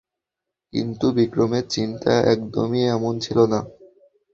কিন্তু বিক্রমের চিন্তা একদমই এমন ছিল না।